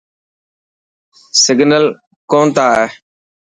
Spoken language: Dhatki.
سگنل ڪون تا آئي.